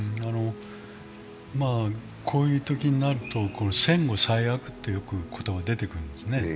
こういうときになると、戦後最悪と言葉がよくでてくるんですね。